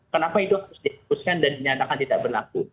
kenapa itu harus dinyatakan tidak berlaku